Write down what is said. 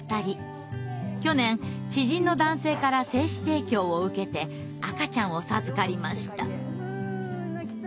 去年知人の男性から精子提供を受けて赤ちゃんを授かりました。